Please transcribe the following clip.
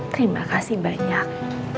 terima kasih banyak